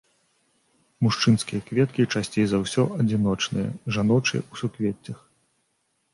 Мужчынскія кветкі часцей за ўсё адзіночныя, жаночыя ў суквеццях.